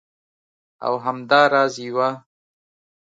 او همدا راز یوه